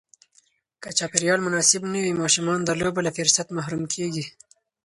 که چاپېریال مناسب نه وي، ماشومان د لوبو له فرصت محروم کېږي.